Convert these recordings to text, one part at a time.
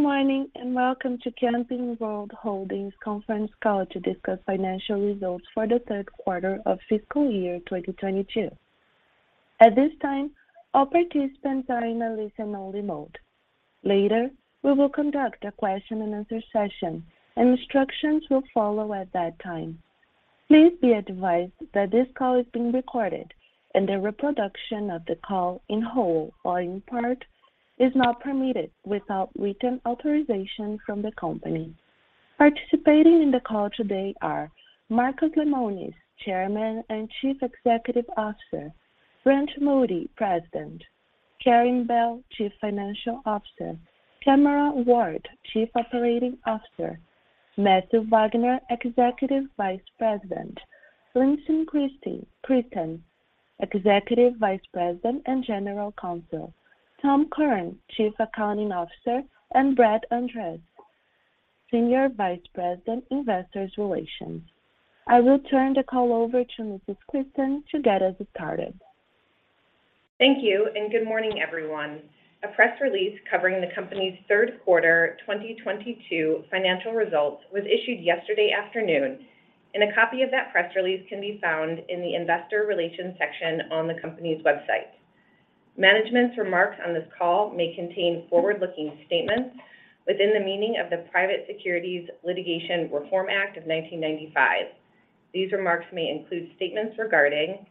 Good morning, and welcome to Camping World Holdings conference call to discuss financial results for the third quarter of FY22. At this time, all participants are in a listen only mode. Later, we will conduct a question and answer session and instructions will follow at that time. Please be advised that this call is being recorded and the reproduction of the call in whole or in part is not permitted without written authorization from the company. Participating in the call today are Marcus Lemonis, Chairman and Chief Executive Officer, Brent Moody, President, Karin Bell, Chief Financial Officer, Tamara Ward, Chief Operating Officer, Matthew Wagner, Executive Vice President, Lindsey Christen, Executive Vice President and General Counsel, Tom Kirn, Chief Accounting Officer, and Brett Andress, Senior Vice President, Investor Relations. I will turn the call over to Mrs. Christen to get us started. Thank you and Good morning, everyone. A press release covering the company's third quarter 2022 financial results was issued yesterday afternoon, and a copy of that press release can be found in the investor relations section on the company's website. Management's remarks on this call may contain forward-looking statements within the meaning of the Private Securities Litigation Reform Act of 1995. These remarks may include statements regarding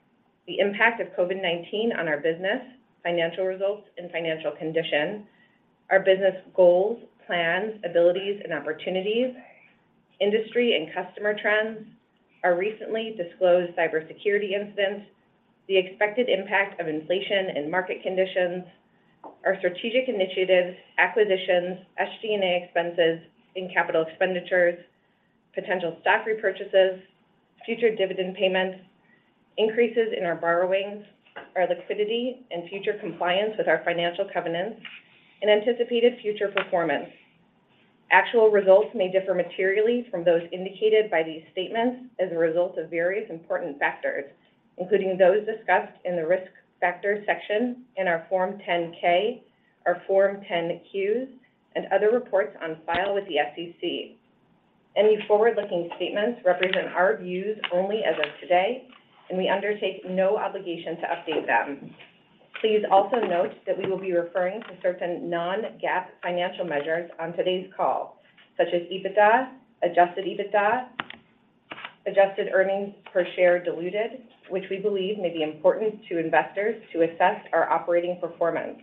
the impact of COVID-19 on our business, financial results and financial condition, our business goals, plans, abilities and opportunities, industry and customer trends, our recently disclosed cybersecurity incident, the expected impact of inflation and market conditions, our strategic initiatives, acquisitions, SG&A expenses and capital expenditures, potential stock repurchases, future dividend payments, increases in our borrowings, our liquidity and future compliance with our financial covenants and anticipated future performance. Actual results may differ materially from those indicated by these statements as a result of various important factors, including those discussed in the Risk Factors section in our Form 10-K, our Form 10-Qs, and other reports on file with the SEC. Any forward-looking statements represent our views only as of today, and we undertake no obligation to update them. Please also note that we will be referring to certain non-GAAP financial measures on today's call, such as EBITDA, Adjusted EBITDA, Adjusted earnings per share diluted, which we believe may be important to investors to assess our operating performance.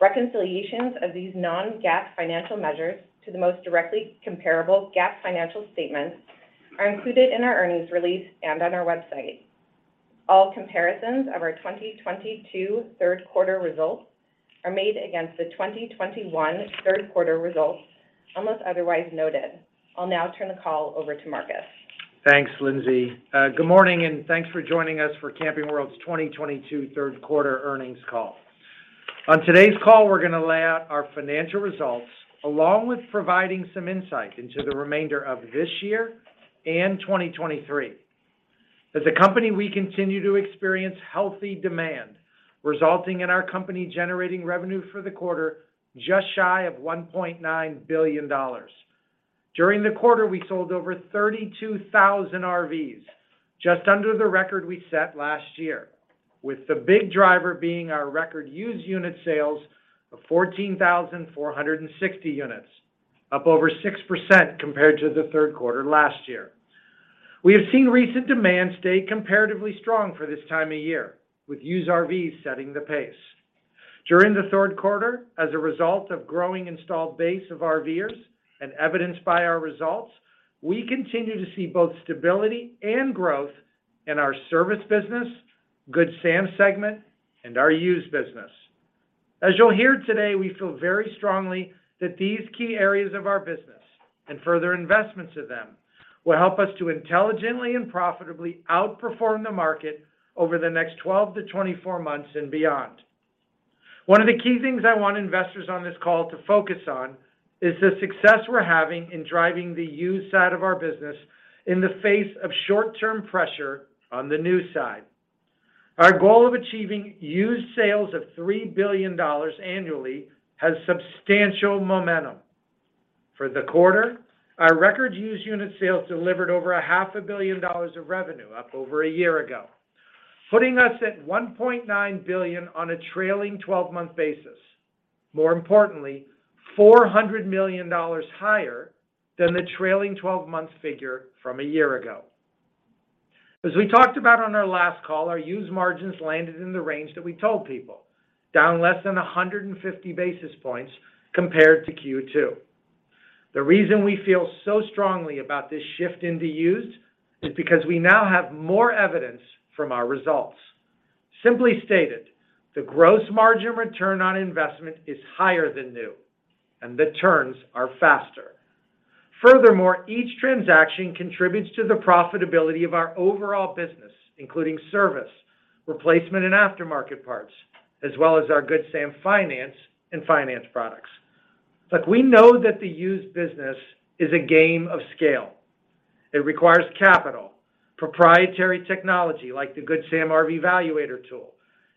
Reconciliations of these non-GAAP financial measures to the most directly comparable GAAP financial statements are included in our earnings release and on our website. All comparisons of our 2022 third quarter results are made against the 2021 third quarter results, unless otherwise noted. I'll now turn the call over to Marcus. Thanks, Lindsey. Good morning, and thanks for joining us for Camping World's 2022 third quarter earnings call. On today's call, we're gonna lay out our financial results along with providing some insight into the remainder of this year and 2023. As a company, we continue to experience healthy demand, resulting in our company generating revenue for the quarter just shy of $1.9 billion. During the quarter, we sold over 32,000 RVs, just under the record we set last year, with the big driver being our record used unit sales of 14,460 units, up over 6% compared to the third quarter last year. We have seen recent demand stay comparatively strong for this time of year, with used RVs setting the pace. During the third quarter as a result of growing installed base of RVers and evidenced by our results, we continue to see both stability and growth in our service business, Good Sam segment, and our used business. As you'll hear today, we feel very strongly that these key areas of our business and further investments in them will help us to intelligently and profitably outperform the market over the next 12-24 months and beyond. One of the key things I want investors on this call to focus on is the success we're having in driving the used side of our business in the face of short-term pressure on the new side. Our goal of achieving used sales of $3 billion annually has substantial momentum. For the quarter, our record used unit sales delivered over half a billion dollars of revenue up over a year ago, putting us at $1.9 billion on a trailing 12-month basis. More importantly, $400 million higher than the trailing 12-month figure from a year ago. As we talked about on our last call, our used margins landed in the range that we told people, down less than 150 basis points compared to Q2. The reason we feel so strongly about this shift into used is because we now have more evidence from our results. Simply stated, the gross margin return on investment is higher than new, and the turns are faster. Furthermore, each transaction contributes to the profitability of our overall business, including service, replacement and aftermarket parts, as well as our Good Sam finance and insurance products. Look, we know that the used business is a game of scale. It requires capital, proprietary technology like the Good Sam RV Valuator,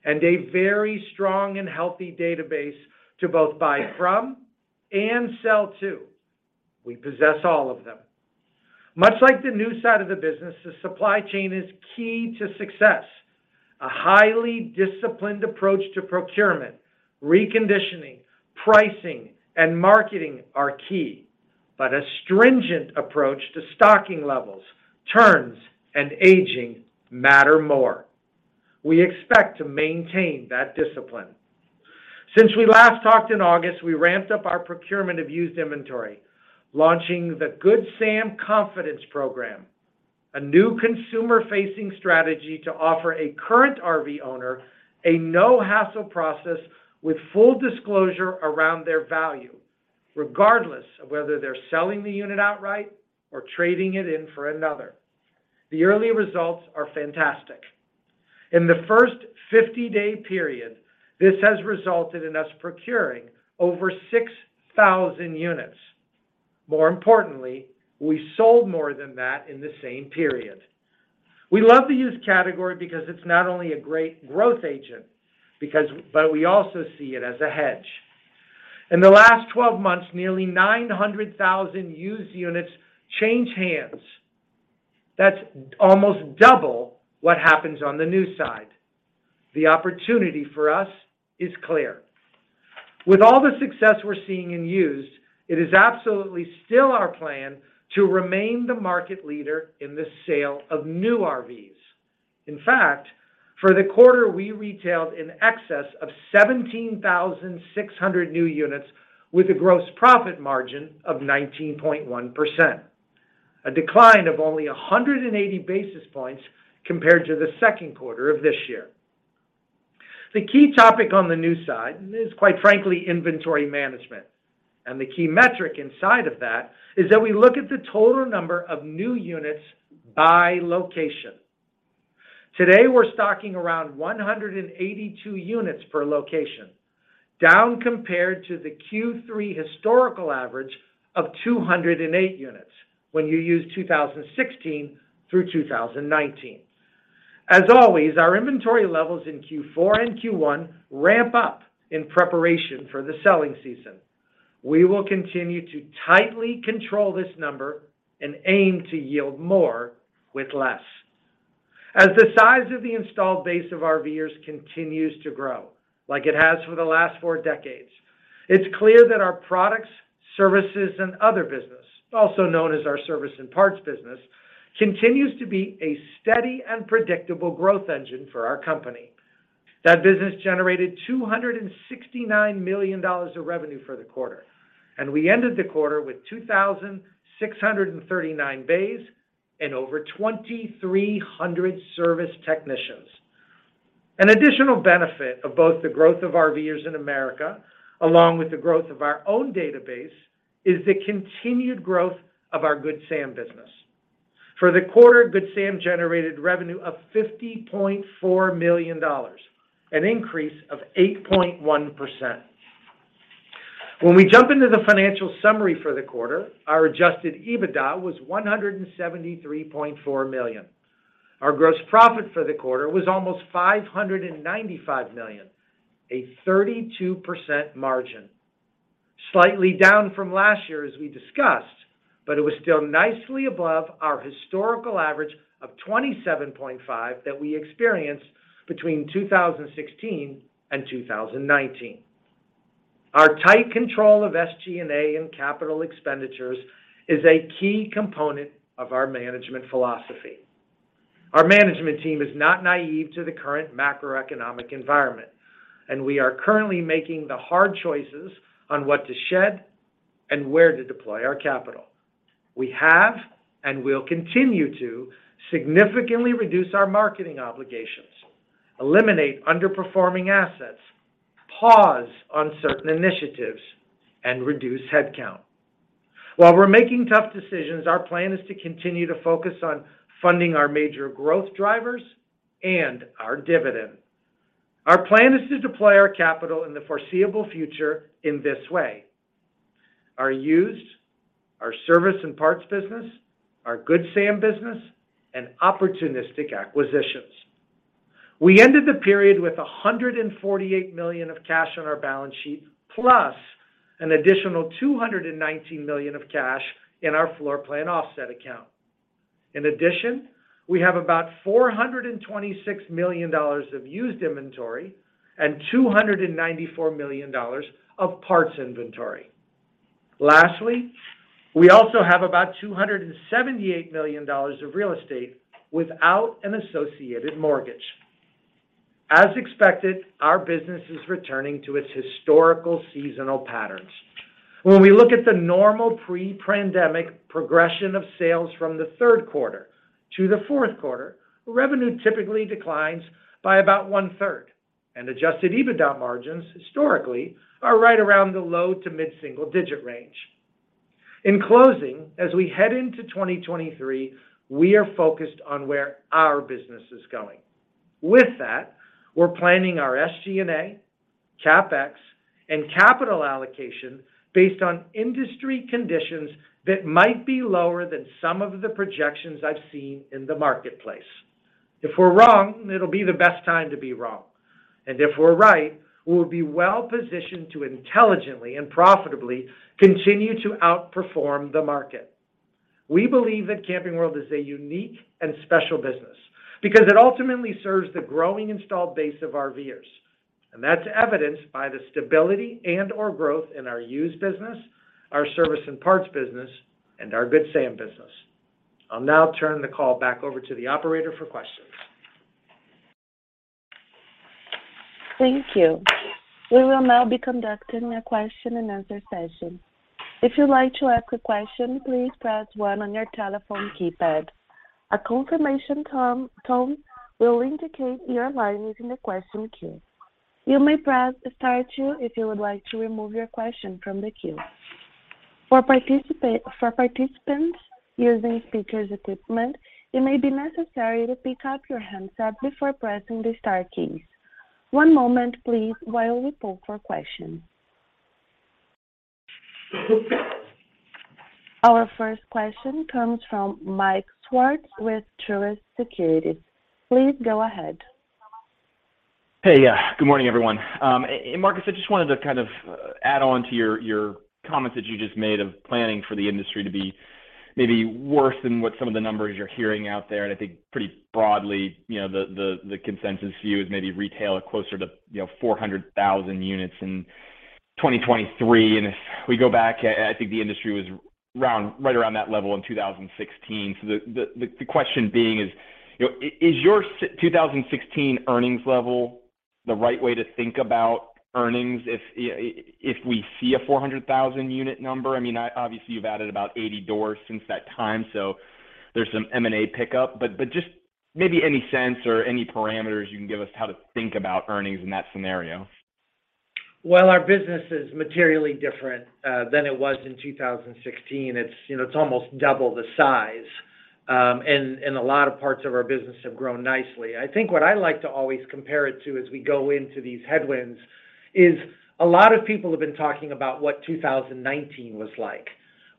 and a very strong and healthy database to both buy from and sell to. We possess all of them. Much like the new side of the business, the supply chain is key to success. A highly disciplined approach to procurement, reconditioning, pricing, and marketing are key, but a stringent approach to stocking levels, turns, and aging matter more. We expect to maintain that discipline. Since we last talked in August, we ramped up our procurement of used inventory, launching the Good Sam Confidence Program, a new consumer-facing strategy to offer a current RV owner a no-hassle process with full disclosure around their value, regardless of whether they're selling the unit outright or trading it in for another. The early results are fantastic. In the first 50-day period, this has resulted in us procuring over 6,000 units. More importantly, we sold more than that in the same period. We love the used category because it's not only a great growth agent, but we also see it as a hedge. In the last 12 months, nearly 900,000 used units changed hands. That's almost double what happens on the new side. The opportunity for us is clear. With all the success we're seeing in used, it is absolutely still our plan to remain the market leader in the sale of new RVs. In fact, for the quarter, we retailed in excess of 17,600 new units with a gross profit margin of 19.1%, a decline of only 180 basis points compared to the second quarter of this year. The key topic on the new side is, quite frankly, inventory management, and the key metric inside of that is that we look at the total number of new units by location. Today, we're stocking around 182 units per location, down compared to the Q3 historical average of 208 units when you use 2016 through 2019. As always, our inventory levels in Q4 and Q1 ramp up in preparation for the selling season. We will continue to tightly control this number and aim to yield more with less. As the size of the installed base of RVers continues to grow, like it has for the last four decades, it's clear that our products, services, and other business, also known as our service and parts business, continues to be a steady and predictable growth engine for our company. That business generated $269 million of revenue for the quarter, and we ended the quarter with 2,639 bays and over 2,300 service technicians. An additional benefit of both the growth of RVers in America, along with the growth of our own database, is the continued growth of our Good Sam business. For the quarter, Good Sam generated revenue of $50.4 million, an increase of 8.1%. When we jump into the financial summary for the quarter, our Adjusted EBITDA was $173.4 million. Our gross profit for the quarter was almost $595 million, a 32% margin. Slightly down from last year, as we discussed, but it was still nicely above our historical average of 27.5 that we experienced between 2016 and 2019. Our tight control of SG&A and capital expenditures is a key component of our management philosophy. Our management team is not naive to the current macroeconomic environment, and we are currently making the hard choices on what to shed and where to deploy our capital. We have, and will continue to, significantly reduce our marketing obligations, eliminate underperforming assets, pause on certain initiatives, and reduce headcount. While we're making tough decisions, our plan is to continue to focus on funding our major growth drivers and our dividend. Our plan is to deploy our capital in the foreseeable future in this way, our used, our service and parts business, our Good Sam business, and opportunistic acquisitions. We ended the period with $148 million of cash on our balance sheet, plus an additional $219 million of cash in our floor plan offset account. In addition, we have about $426 million of used inventory and $294 million of parts inventory. Lastly, we also have about $278 million of real estate without an associated mortgage. As expected, our business is returning to its historical seasonal patterns. When we look at the normal pre-pandemic progression of sales from the third quarter to the fourth quarter, revenue typically declines by about one-third, and Adjusted EBITDA margins historically are right around the low to mid-single digit range. In closing, as we head into 2023, we are focused on where our business is going. With that, we're planning our SG&A CapEx and capital allocation based on industry conditions that might be lower than some of the projections I've seen in the marketplace. If we're wrong, it'll be the best time to be wrong. If we're right, we'll be well-positioned to intelligently and profitably continue to outperform the market. We believe that Camping World is a unique and special business, because it ultimately serves the growing installed base of RVers. That's evidenced by the stability and/or growth in our used business, our service and parts business, and our Good Sam business. I'll now turn the call back over to the operator for questions. Thank you. We will now be conducting a question-and-answer session. If you'd like to ask a question, please press one on your telephone keypad. A confirmation tone will indicate your line is in the question queue. You may press star two if you would like to remove your question from the queue. For participants using speaker equipment, it may be necessary to pick up your handset before pressing the star keys. One moment, please, while we poll for questions. Our first question comes from Mike Swartz with Truist Securities. Please go ahead. Hey. Good morning, everyone. And Marcus, I just wanted to kind of add on to your comment that you just made of planning for the industry to be maybe worse than what some of the numbers you're hearing out there. I think pretty broadly, the consensus view is maybe retail at closer to, you know, 400,000 units in 2023. If we go back, I think the industry was around, right around that level in 2016. The question being is, you know, is your 2016 earnings level the right way to think about earnings if we see a 400,000 unit number? I mean, obviously, you've added about 80 doors since that time, so there's some M&A pickup. Just maybe any sense or any parameters you can give us how to think about earnings in that scenario. Well, our business is materially different than it was in 2016. It's, you know, it's almost double the size, and a lot of parts of our business have grown nicely. I think what I like to always compare it to as we go into these headwinds is a lot of people have been talking about what 2019 was like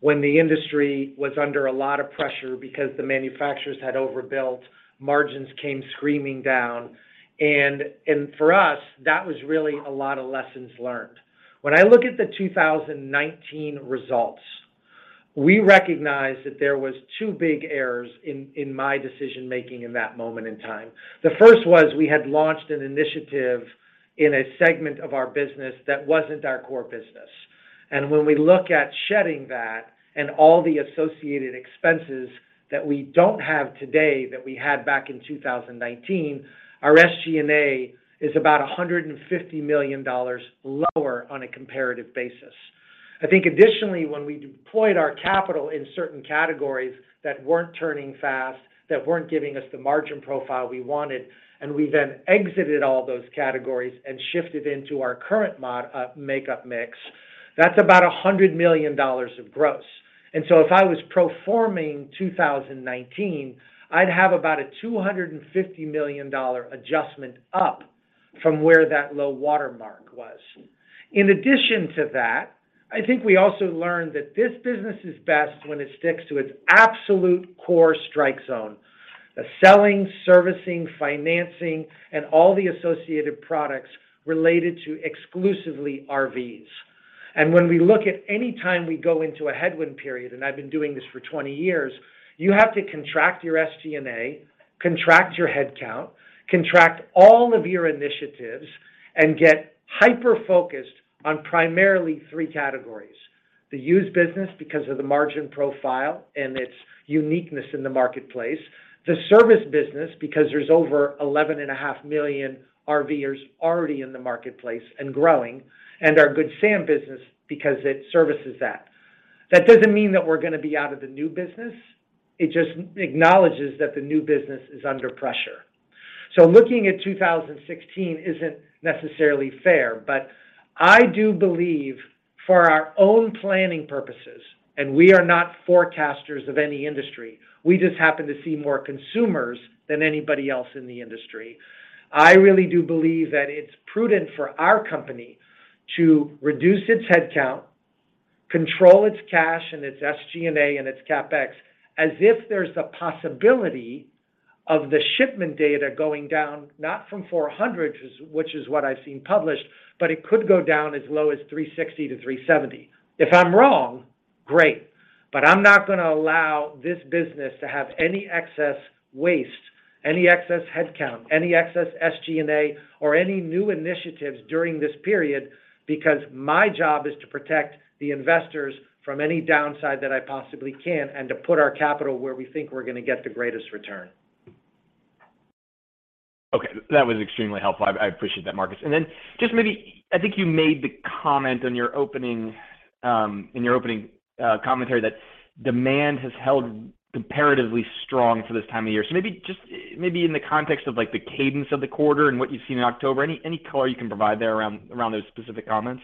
when the industry was under a lot of pressure because the manufacturers had overbuilt, margins came screaming down. For us, that was really a lot of lessons learned. When I look at the 2019 results, we recognize that there were two big errors in my decision-making in that moment in time. The first was we had launched an initiative in a segment of our business that wasn't our core business. When we look at shedding that and all the associated expenses that we don't have today that we had back in 2019, our SG&A is about $150 million lower on a comparative basis. I think additionally, when we deployed our capital in certain categories that weren't turning fast, that weren't giving us the margin profile we wanted, and we then exited all those categories and shifted into our current makeup mix, that's about $100 million of gross. If I was pro forma 2019, I'd have about a $250 million adjustment up from where that low watermark was. In addition to that, I think we also learned that this business is best when it sticks to its absolute core strike zone, the selling, servicing, financing, and all the associated products related to exclusively RVs. When we look at any time we go into a headwind period, and I've been doing this for 20 years, you have to contract your SG&A, contract your headcount, contract all of your initiatives, and get hyper-focused on primarily three categories. The used business because of the margin profile and its uniqueness in the marketplace, the service business because there's over 11.5 million RVers already in the marketplace and growing, and our Good Sam business because it services that. That doesn't mean that we're gonna be out of the new business. It just acknowledges that the new business is under pressure. Looking at 2016 isn't necessarily fair, but I do believe for our own planning purposes, and we are not forecasters of any industry, we just happen to see more consumers than anybody else in the industry. I really do believe that it's prudent for our company to reduce its headcount, control its cash and its SG&A and its CapEx as if there's the possibility of the shipment data going down, not from 400, which is what I've seen published, but it could go down as low as 360-370. If I'm wrong, great. I'm not gonna allow this business to have any excess waste, any excess headcount, any excess SG&A or any new initiatives during this period because my job is to protect the investors from any downside that I possibly can and to put our capital where we think we're gonna get the greatest return. Okay. That was extremely helpful. I appreciate that, Marcus. Just maybe, I think you made the comment in your opening commentary that demand has held comparatively strong for this time of year. Maybe in the context of, like, the cadence of the quarter and what you've seen in October, any color you can provide there around those specific comments?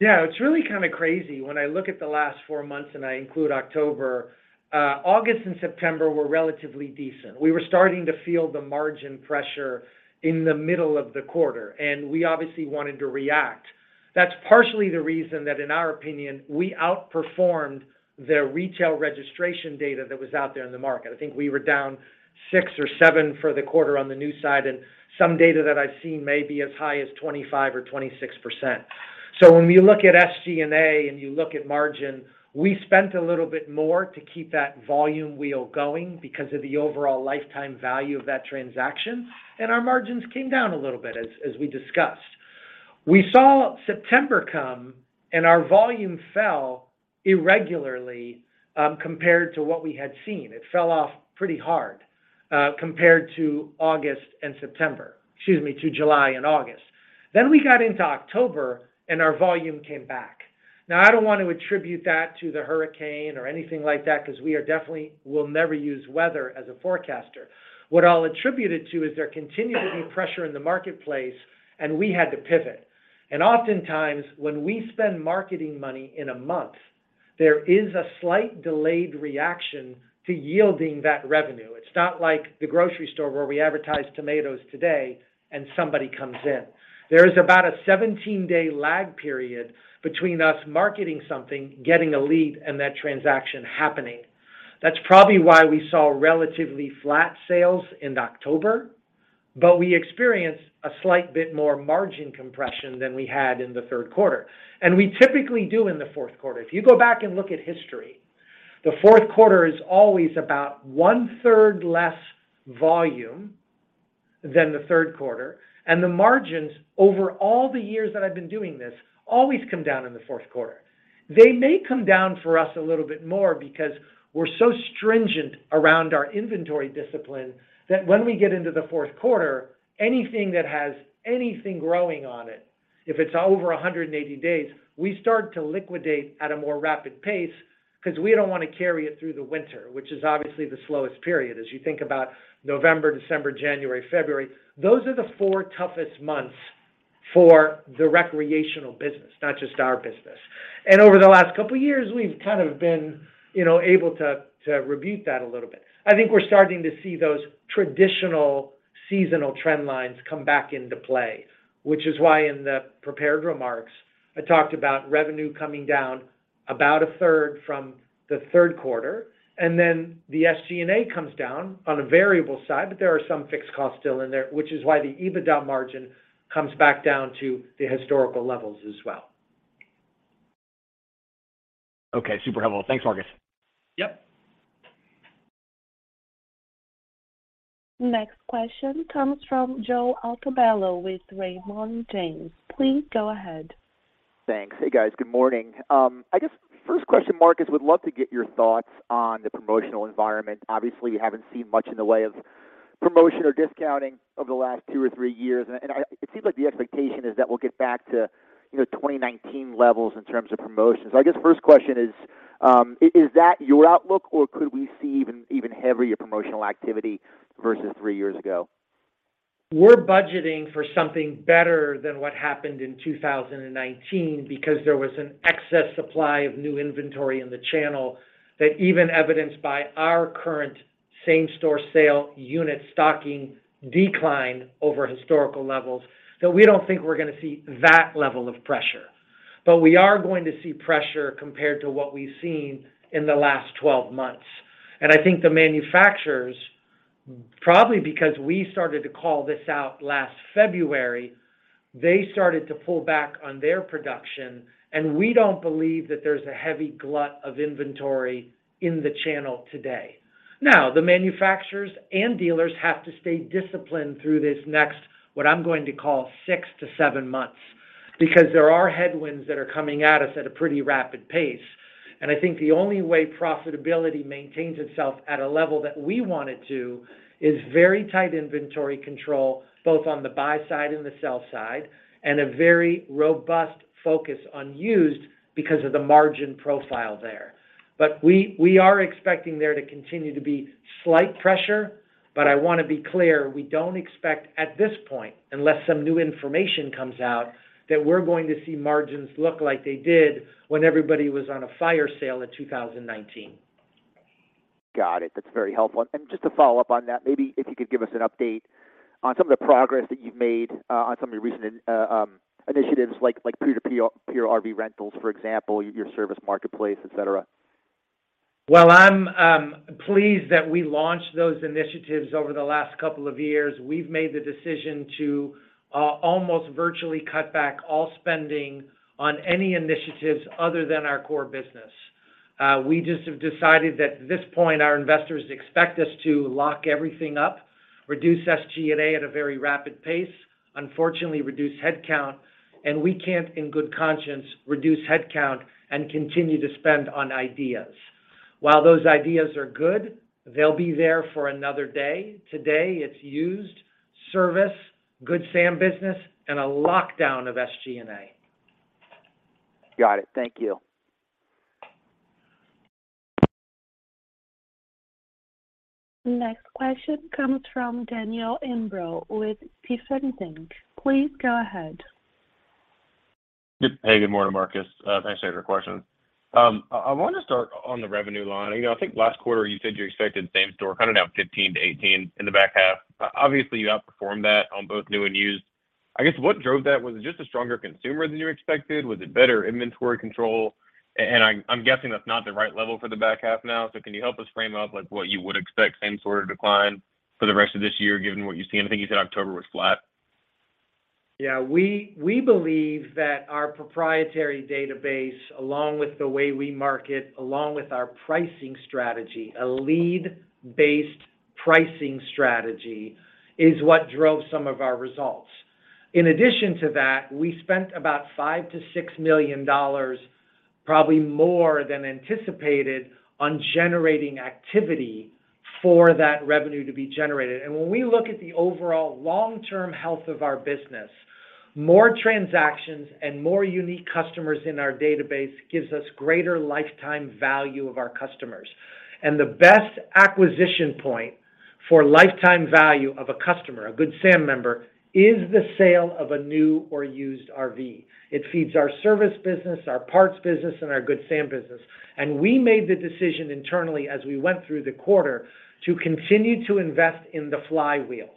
Yeah, it's really kind of crazy when I look at the last four months and I include October. August and September were relatively decent. We were starting to feel the margin pressure in the middle of the quarter, and we obviously wanted to react. That's partially the reason that, in our opinion, we outperformed the retail registration data that was out there in the market. I think we were down six or seven for the quarter on the new side, and some data that I've seen may be as high as 25 or 26%. When you look at SG&A and you look at margin, we spent a little bit more to keep that volume wheel going because of the overall lifetime value of that transaction, and our margins came down a little bit, as we discussed. We saw September come, and our volume fell irregularly compared to what we had seen. It fell off pretty hard compared to July and August. Then we got into October, and our volume came back. Now, I don't want to attribute that to the hurricane or anything like that because we are definitely. We'll never use weather as a forecaster. What I'll attribute it to is there continued to be pressure in the marketplace, and we had to pivot. Oftentimes, when we spend marketing money in a month, there is a slight delayed reaction to yielding that revenue. It's not like the grocery store where we advertise tomatoes today and somebody comes in. There is about a 17-day lag period between us marketing something, getting a lead, and that transaction happening. That's probably why we saw relatively flat sales in October, but we experienced a slight bit more margin compression than we had in the third quarter. We typically do in the fourth quarter. If you go back and look at history, the fourth quarter is always about one-third less volume than the third quarter. The margins over all the years that I've been doing this always come down in the fourth quarter. They may come down for us a little bit more because we're so stringent around our inventory discipline that when we get into the fourth quarter, anything that has anything growing on it, if it's over 180 days, we start to liquidate at a more rapid pace because we don't want to carry it through the winter, which is obviously the slowest period. As you think about November, December, January, February, those are the four toughest months for the recreational business, not just our business. Over the last couple of years, we've kind of been, you know, able to rebuff that a little bit. I think we're starting to see those traditional seasonal trend lines come back into play, which is why in the prepared remarks, I talked about revenue coming down about a third from the third quarter, and then the SG&A comes down on a variable side, but there are some fixed costs still in there, which is why the EBITDA margin comes back down to the historical levels as well. Okay, super helpful. Thanks, Marcus. Yep. Next question comes from Joe Altobello with Raymond James. Please go ahead. Thanks. Hey, guys. Good morning. I guess first question, Marcus, would love to get your thoughts on the promotional environment. Obviously, you haven't seen much in the way of promotion or discounting over the last two or three years. It seems like the expectation is that we'll get back to, you know, 2019 levels in terms of promotions. I guess first question is that your outlook, or could we see even heavier promotional activity versus three years ago? We're budgeting for something better than what happened in 2019 because there was an excess supply of new inventory in the channel that even evidenced by our current same-store sales unit stocking decline over historical levels, that we don't think we're gonna see that level of pressure. We are going to see pressure compared to what we've seen in the last 12 months. I think the manufacturers, probably because we started to call this out last February, they started to pull back on their production, and we don't believe that there's a heavy glut of inventory in the channel today. Now, the manufacturers and dealers have to stay disciplined through this next, what I'm going to call six to seven months, because there are headwinds that are coming at us at a pretty rapid pace. I think the only way profitability maintains itself at a level that we want it to is very tight inventory control, both on the buy side and the sell side, and a very robust focus on used because of the margin profile there. We are expecting there to continue to be slight pressure, but I wanna be clear, we don't expect at this point, unless some new information comes out, that we're going to see margins look like they did when everybody was on a fire sale in 2019. Got it. That's very helpful. Just to follow up on that, maybe if you could give us an update on some of the progress that you've made on some of your recent initiatives like peer-to-peer RV rentals, for example, your service marketplace, et cetera. Well, I'm pleased that we launched those initiatives over the last couple of years. We've made the decision to almost virtually cut back all spending on any initiatives other than our core business. We just have decided that at this point, our investors expect us to lock everything up, reduce SG&A at a very rapid pace, unfortunately reduce headcount, and we can't in good conscience reduce headcount and continue to spend on ideas. While those ideas are good, they'll be there for another day. Today it's used, service, Good Sam business, and a lockdown of SG&A. Got it. Thank you. Next question comes from Daniel Imbro with Stephens Inc,. Please go ahead. Hey, Good morning, Marcus. Thanks for taking the question. I want to start on the revenue line. You know, I think last quarter you said you expected same store kind of down 15%-18% in the back half. Obviously, you outperformed that on both new and used. I guess what drove that? Was it just a stronger consumer than you expected? Was it better inventory control? And I'm guessing that's not the right level for the back half now. Can you help us frame up, like, what you would expect, same sort of decline for the rest of this year, given what you've seen? I think you said October was flat. Yeah. We believe that our proprietary database, along with the way we market, along with our pricing strategy, a lead-based pricing strategy, is what drove some of our results. In addition to that, we spent about $5-$6 million, probably more than anticipated, on generating activity for that revenue to be generated. When we look at the overall long-term health of our business, more transactions and more unique customers in our database gives us greater lifetime value of our customers. The best acquisition point for lifetime value of a customer, a Good Sam member, is the sale of a new or used RV. It feeds our service business, our parts business, and our Good Sam business. We made the decision internally as we went through the quarter to continue to invest in the flywheel.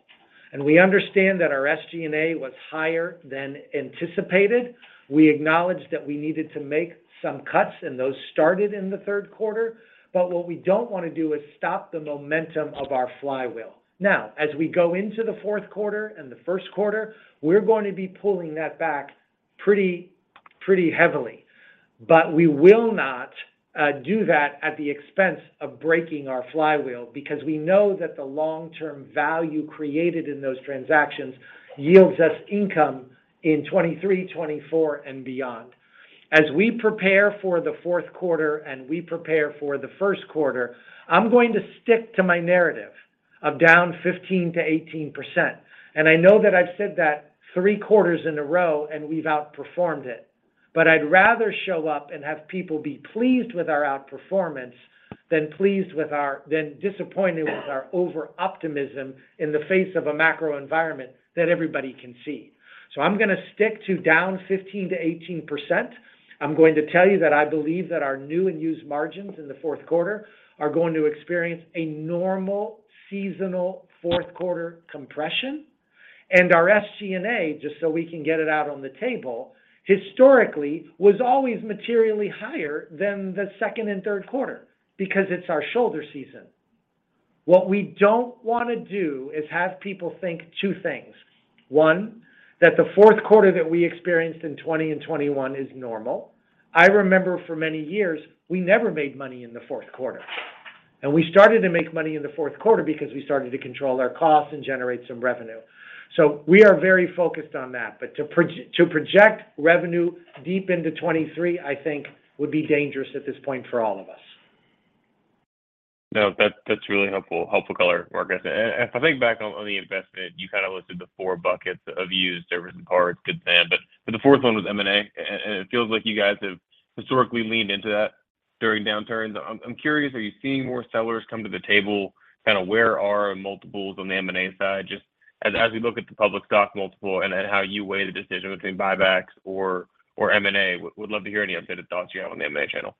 We understand that our SG&A was higher than anticipated. We acknowledged that we needed to make some cuts, and those started in the third quarter. What we don't wanna do is stop the momentum of our flywheel. Now, as we go into the fourth quarter and the first quarter, we're going to be pulling that back pretty heavily. We will not do that at the expense of breaking our flywheel because we know that the long-term value created in those transactions yields us income in 2023, 2024, and beyond. As we prepare for the fourth quarter and we prepare for the first quarter, I'm going to stick to my narrative of down 15%-18%. I know that I've said that three quarters in a row and we've outperformed it. I'd rather show up and have people be pleased with our outperformance than disappointed with our over-optimism in the face of a macro environment that everybody can see. I'm gonna stick to down 15%-18%. I'm going to tell you that I believe that our new and used margins in the fourth quarter are going to experience a normal seasonal fourth quarter compression. Our SG&A, just so we can get it out on the table, historically was always materially higher than the second and third quarter because it's our shoulder season. What we don't wanna do is have people think two things. One, that the fourth quarter that we experienced in 2020 and 2021 is normal. I remember for many years, we never made money in the fourth quarter. We started to make money in the fourth quarter because we started to control our costs and generate some revenue. We are very focused on that. To project revenue deep into 2023, I think would be dangerous at this point for all of us. No. That's really helpful color, Marcus. If I think back on the investment, you kind of listed the four buckets of used service and parts, Good Sam. The fourth one was M&A, and it feels like you guys have historically leaned into that during downturns. I'm curious, are you seeing more sellers come to the table? Kind of, where are multiples on the M&A side? Just as we look at the public stock multiple and then how you weigh the decision between buybacks or M&A, we'd love to hear any updated thoughts you have on the M&A channel.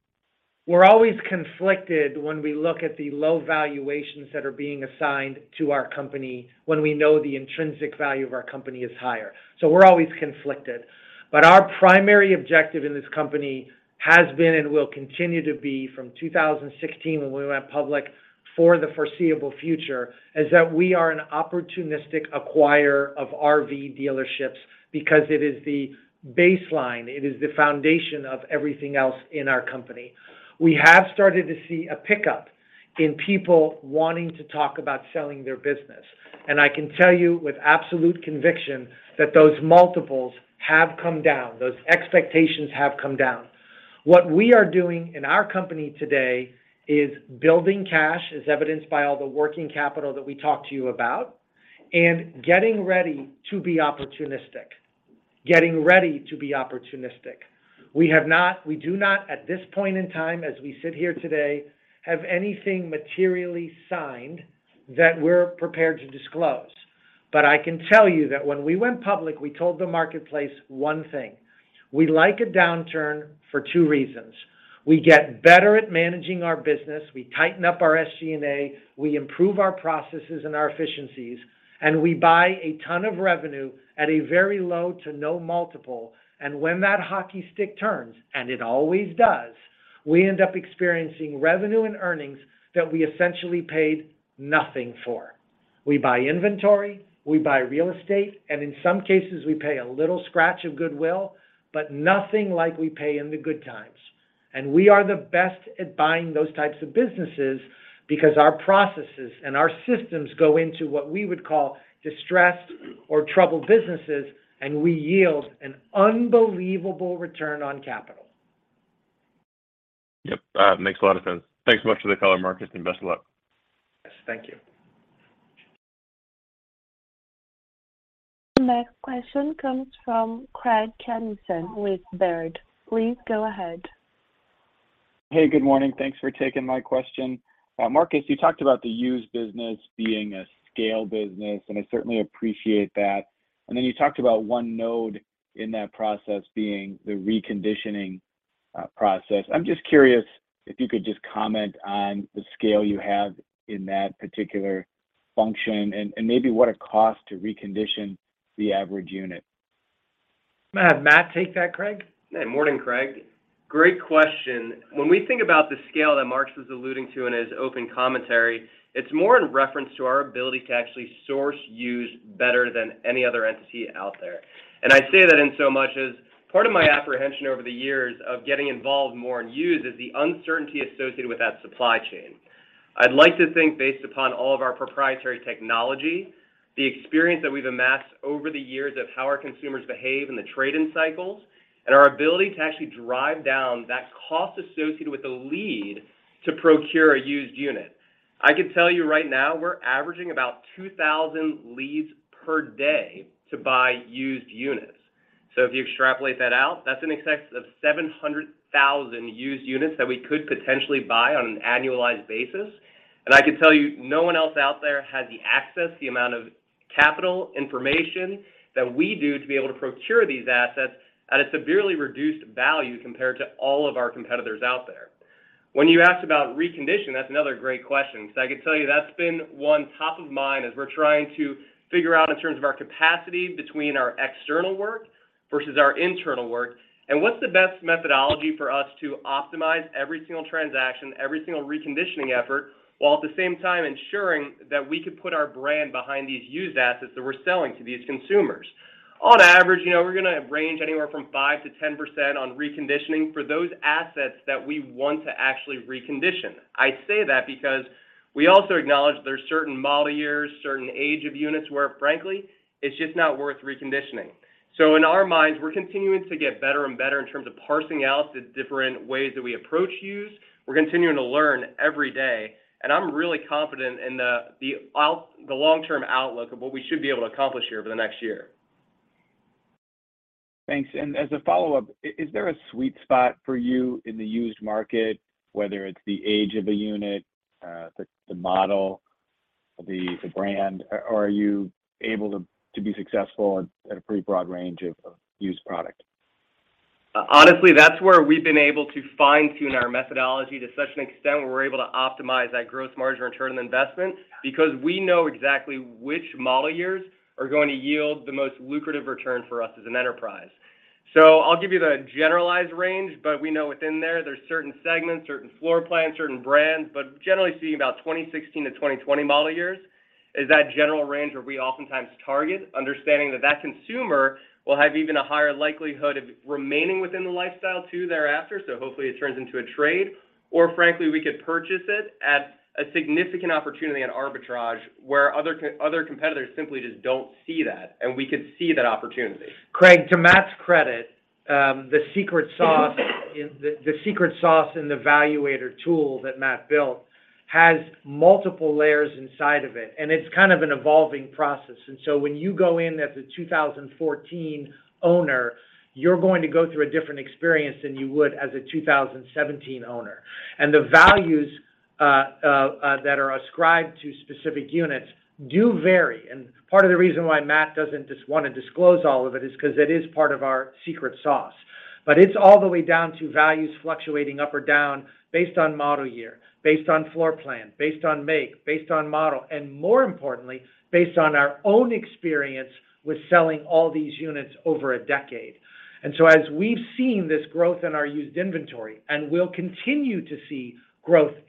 We're always conflicted when we look at the low valuations that are being assigned to our company when we know the intrinsic value of our company is higher. We're always conflicted. Our primary objective in this company has been and will continue to be from 2016, when we went public, for the foreseeable future, is that we are an opportunistic acquirer of RV dealerships because it is the baseline, it is the foundation of everything else in our company. We have started to see a pickup in people wanting to talk about selling their business. I can tell you with absolute conviction that those multiples have come down, those expectations have come down. What we are doing in our company today is building cash, as evidenced by all the working capital that we talked to you about, and getting ready to be opportunistic. Getting ready to be opportunistic. We do not, at this point in time, as we sit here today, have anything materially signed that we're prepared to disclose. I can tell you that when we went public, we told the marketplace one thing: we like a downturn for two reasons. We get better at managing our business. We tighten up our SG&A, we improve our processes and our efficiencies, and we buy a ton of revenue at a very low to no multiple. When that hockey stick turns, and it always does, we end up experiencing revenue and earnings that we essentially paid nothing for. We buy inventory, we buy real estate, and in some cases, we pay a little scratch of goodwill, but nothing like we pay in the good times. We are the best at buying those types of businesses because our processes and our systems go into what we would call distressed or troubled businesses, and we yield an unbelievable return on capital. Yep. Makes a lot of sense. Thanks so much for the color, Marcus, and best of luck. Yes. Thank you. The next question comes from Craig Kennison with Baird. Please go ahead. Hey, Good morning. Thanks for taking my question. Marcus, you talked about the used business being a scale business, and I certainly appreciate that. You talked about one node in that process being the reconditioning process. I'm just curious if you could just comment on the scale you have in that particular function and maybe what it costs to recondition the average unit. I'm gonna have Matt take that, Craig. Hey, morning Craig. Great question. When we think about the scale that Marcus was alluding to in his opening commentary, it's more in reference to our ability to actually source used better than any other entity out there. I say that inasmuch as part of my apprehension over the years of getting involved more in used is the uncertainty associated with that supply chain. I'd like to think based upon all of our proprietary technology, the experience that we've amassed over the years of how our consumers behave in the trade-in cycles and our ability to actually drive down that cost associated with a lead to procure a used unit. I can tell you right now, we're averaging about 2,000 leads per day to buy used units. If you extrapolate that out, that's in excess of 700,000 used units that we could potentially buy on an annualized basis. I can tell you, no one else out there has the access, the amount of capital, information that we do to be able to procure these assets at a severely reduced value compared to all of our competitors out there. When you asked about recondition, that's another great question. I can tell you that's been one top of mind as we're trying to figure out in terms of our capacity between our external work versus our internal work and what's the best methodology for us to optimize every single transaction, every single reconditioning effort, while at the same time ensuring that we could put our brand behind these used assets that we're selling to these consumers. On average, you know, we're gonna range anywhere from 5%-10% on reconditioning for those assets that we want to actually recondition. I say that because we also acknowledge there's certain model years, certain age of units where frankly, it's just not worth reconditioning. In our minds, we're continuing to get better and better in terms of parsing out the different ways that we approach used. We're continuing to learn every day, and I'm really confident in the long-term outlook of what we should be able to accomplish here over the next year. Thanks. As a follow-up, is there a sweet spot for you in the used market, whether it's the age of a unit, the model, the brand? Or are you able to be successful at a pretty broad range of used product? Honestly, that's where we've been able to fine-tune our methodology to such an extent where we're able to optimize that gross margin return on investment because we know exactly which model years are going to yield the most lucrative return for us as an enterprise. I'll give you the generalized range, but we know within there's certain segments, certain floor plans, certain brands, but generally seeing about 2016-2020 model years is that general range where we oftentimes target, understanding that that consumer will have even a higher likelihood of remaining within the lifestyle too thereafter. Hopefully it turns into a trade. Frankly, we could purchase it at a significant opportunity in arbitrage where other competitors simply just don't see that, and we could see that opportunity. Craig, to Matt's credit, the secret sauce in the valuator tool that Matt built has multiple layers inside of it, and it's kind of an evolving process. When you go in as a 2014 owner, you're going to go through a different experience than you would as a 2017 owner. The values that are ascribed to specific units do vary. Part of the reason why Matt doesn't just wanna disclose all of it is 'cause it is part of our secret sauce. It's all the way down to values fluctuating up or down based on model year, based on floor plan, based on make, based on model, and more importantly, based on our own experience with selling all these units over a decade. As we've seen this growth in our used inventory, and we'll continue to see growth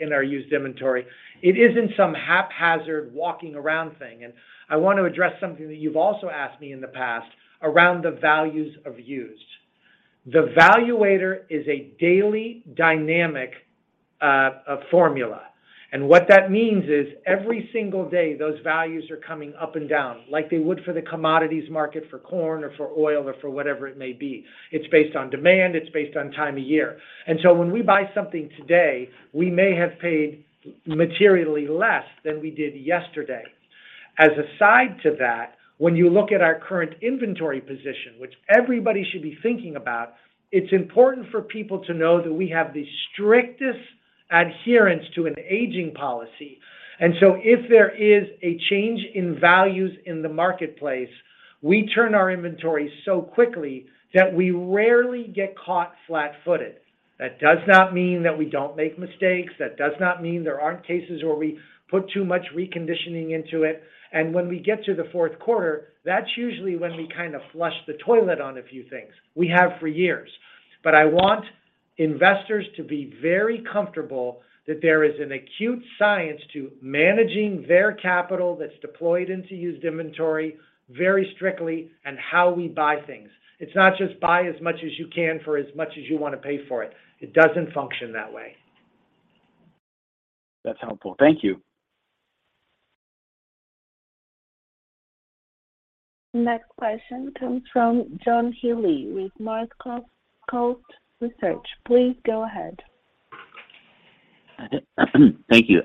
in our used inventory, it isn't some haphazard walking around thing. I want to address something that you've also asked me in the past around the values of used. The Valuator is a daily dynamic formula. What that means is every single day, those values are coming up and down like they would for the commodities market for corn or for oil or for whatever it may be. It's based on demand, it's based on time of year. When we buy something today, we may have paid materially less than we did yesterday. As a side to that, when you look at our current inventory position, which everybody should be thinking about, it's important for people to know that we have the strictest adherence to an aging policy. If there is a change in values in the marketplace, we turn our inventory so quickly that we rarely get caught flat-footed. That does not mean that we don't make mistakes. That does not mean there aren't cases where we put too much reconditioning into it. When we get to the fourth quarter, that's usually when we kind of flush the toilet on a few things. We have for years. I want investors to be very comfortable that there is an acute science to managing their capital that's deployed into used inventory very strictly and how we buy things. It's not just buy as much as you can for as much as you want to pay for it. It doesn't function that way. That's helpful. Thank you. Next question comes from John Healy with Northcoast Research. Please go ahead. Thank you.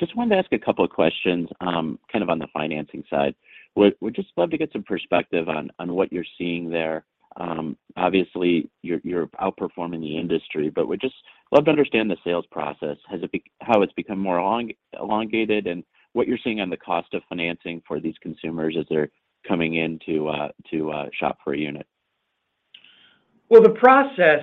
Just wanted to ask a couple of questions, kind of on the financing side. We'd just love to get some perspective on what you're seeing there. Obviously you're outperforming the industry, but would just love to understand the sales process. How it's become more elongated and what you're seeing on the cost of financing for these consumers as they're coming in to shop for a unit. Well, the process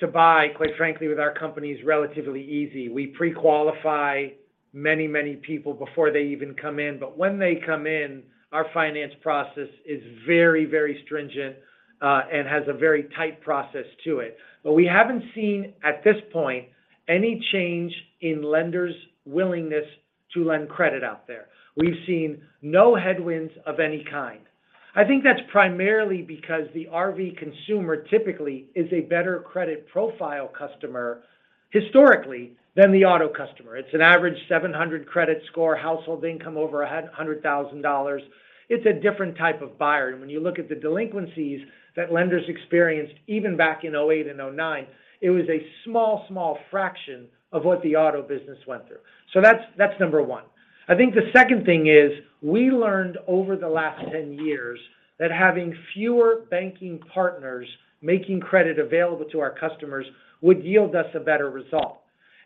to buy, quite frankly, with our company is relatively easy. We pre-qualify many people before they even come in. When they come in, our finance process is very stringent and has a very tight process to it. We haven't seen, at this point, any change in lenders' willingness to lend credit out there. We've seen no headwinds of any kind. I think that's primarily because the RV consumer typically is a better credit profile customer historically than the auto customer. It's an average 700 credit score, household income over $100,000. It's a different type of buyer. When you look at the delinquencies that lenders experienced even back in 2008 and 2009, it was a small fraction of what the auto business went through. That's number one. I think the second thing is, we learned over the last 10 years that having fewer banking partners making credit available to our customers would yield us a better result.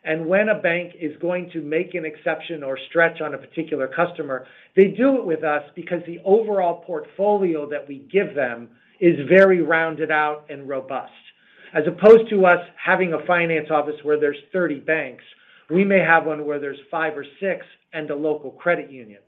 When a bank is going to make an exception or stretch on a particular customer, they do it with us because the overall portfolio that we give them is very rounded out and robust. As opposed to us having a finance office where there's 30 banks, we may have one where there's 5 or 6 and a local credit union.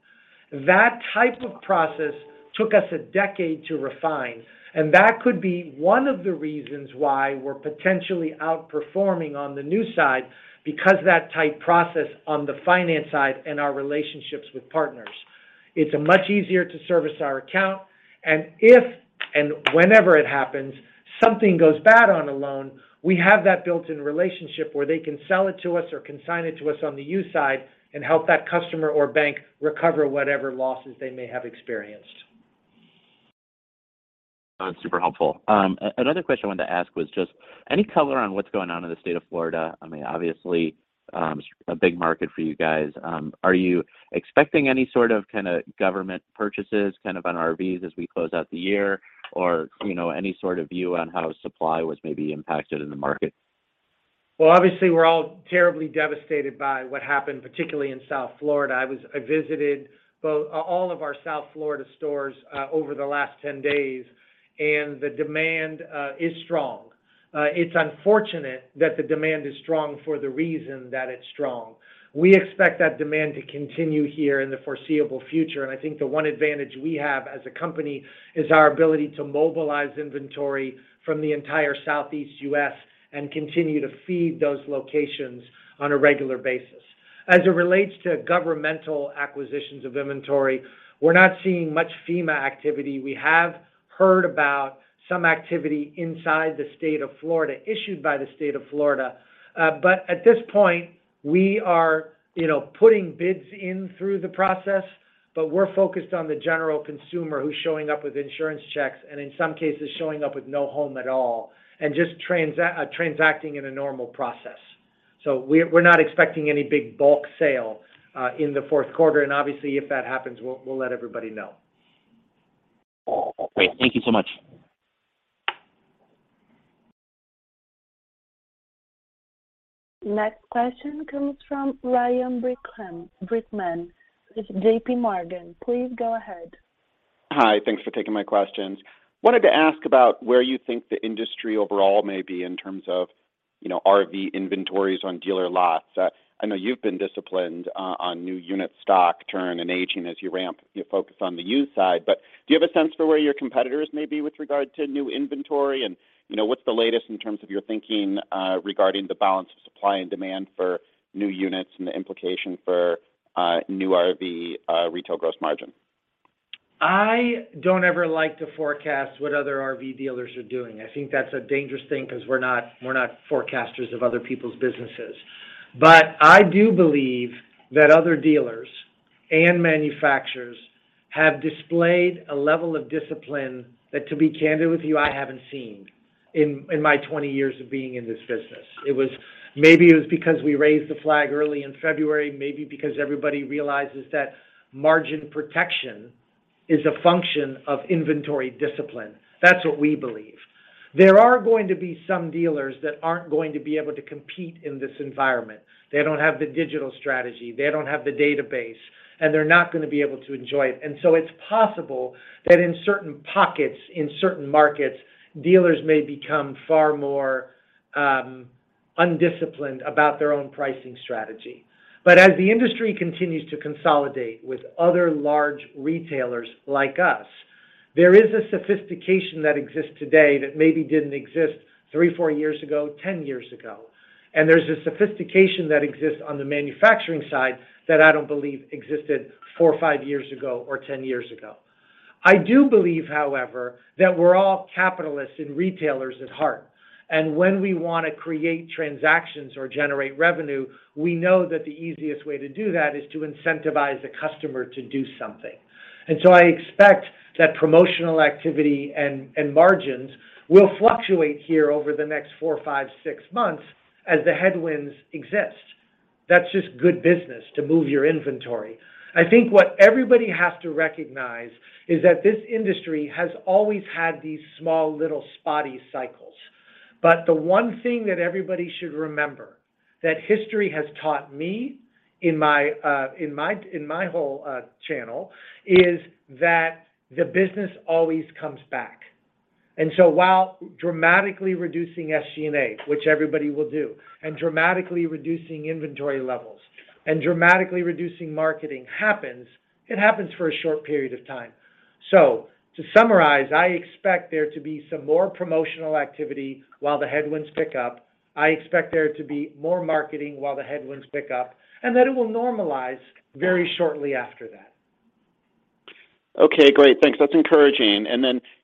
That type of process took us a decade to refine, and that could be one of the reasons why we're potentially outperforming on the new side because that tight process on the finance side and our relationships with partners. It's much easier to service our account. If and whenever it happens, something goes bad on a loan, we have that built-in relationship where they can sell it to us or consign it to us on the used side and help that customer or bank recover whatever losses they may have experienced. That's super helpful. Another question I wanted to ask was just any color on what's going on in the state of Florida. I mean, obviously, a big market for you guys. Are you expecting any sort of kinda government purchases kind of on RVs as we close out the year? Or, you know, any sort of view on how supply was maybe impacted in the market? Well, obviously we're all terribly devastated by what happened, particularly in South Florida. I visited all of our South Florida stores over the last 10 days, and the demand is strong. It's unfortunate that the demand is strong for the reason that it's strong. We expect that demand to continue here in the foreseeable future, and I think the one advantage we have as a company is our ability to mobilize inventory from the entire Southeast U.S. and continue to feed those locations on a regular basis. As it relates to governmental acquisitions of inventory, we're not seeing much FEMA activity. We have heard about some activity inside the state of Florida, issued by the state of Florida. At this point, we are, you know, putting bids in through the process, but we're focused on the general consumer who's showing up with insurance checks and in some cases showing up with no home at all and just transacting in a normal process. We're not expecting any big bulk sale in the fourth quarter. Obviously if that happens, we'll let everybody know. Great. Thank you so much. Next question comes from Ryan Brinkman with J.P. Morgan. Please go ahead. Hi. Thanks for taking my questions. Wanted to ask about where you think the industry overall may be in terms of, you know, RV inventories on dealer lots. I know you've been disciplined on new unit stock turn and aging as you ramp your focus on the used side. Do you have a sense for where your competitors may be with regard to new inventory? You know, what's the latest in terms of your thinking regarding the balance of supply and demand for new units and the implication for new RV retail gross margin? I don't ever like to forecast what other RV dealers are doing. I think that's a dangerous thing 'cause we're not forecasters of other people's businesses. I do believe that other dealers and manufacturers have displayed a level of discipline that, to be candid with you, I haven't seen in my 20 years of being in this business. Maybe it was because we raised the flag early in February, maybe because everybody realizes that margin protection is a function of inventory discipline. That's what we believe. There are going to be some dealers that aren't going to be able to compete in this environment. They don't have the digital strategy, they don't have the database, and they're not gonna be able to enjoy it. It's possible that in certain pockets, in certain markets, dealers may become far more undisciplined about their own pricing strategy. As the industry continues to consolidate with other large retailers like us, there is a sophistication that exists today that maybe didn't exist three, four years ago, 10 years ago. There's a sophistication that exists on the manufacturing side that I don't believe existed four or five years ago or 10 years ago. I do believe, however, that we're all capitalists and retailers at heart, and when we wanna create transactions or generate revenue, we know that the easiest way to do that is to incentivize the customer to do something. I expect that promotional activity and margins will fluctuate here over the next four, five, six months as the headwinds exist. That's just good business to move your inventory. I think what everybody has to recognize is that this industry has always had these small little spotty cycles. The one thing that everybody should remember that history has taught me in my whole channel is that the business always comes back. While dramatically reducing SG&A, which everybody will do, and dramatically reducing inventory levels and dramatically reducing marketing happens, it happens for a short period of time. To summarize, I expect there to be some more promotional activity while the headwinds pick up. I expect there to be more marketing while the headwinds pick up, and that it will normalize very shortly after that. Okay, great. Thanks. That's encouraging.